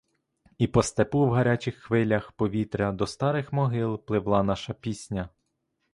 І по степу в гарячих хвилях повітря до старих могил пливла наша пісня.